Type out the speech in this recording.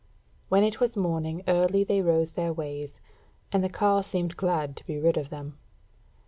When it was morning early they rode their ways, and the carle seemed glad to be rid of them.